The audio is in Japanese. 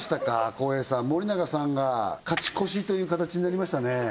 康平さん森永さんが勝ち越しという形になりましたね